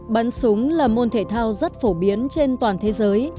bắn súng là môn thể thao rất phổ biến trên toàn thế giới